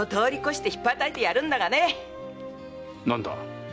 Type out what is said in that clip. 何だ？